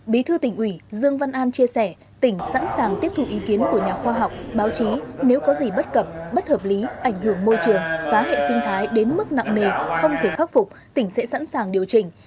bí thư tỉnh ủy dương văn an chia sẻ tỉnh sẵn sàng tiếp thu ý kiến của nhà khoa học báo chí nếu có gì bất cập bất hợp lý ảnh hưởng môi trường phá hệ sinh thái đến mức nặng nề không thể khắc phục tỉnh sẽ sẵn sàng điều chỉnh